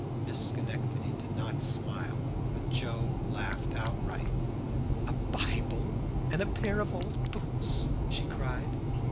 Miss Schenectady did not smile, but Joe laughed outright. "A Bible and a pair of old boots!" she cried.